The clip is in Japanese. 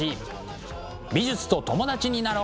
美術と友達になろう！